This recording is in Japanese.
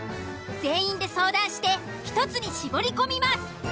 全員で相談して１つに絞り込みます。